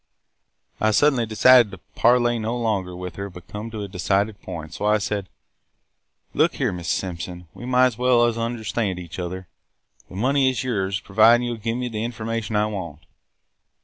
"I suddenly decided to parley no longer with her but come to a decided point, so I said: 'Look here, Mrs. Simpson, we might as well understand each other. This money is yours, provided you will give me the information I want.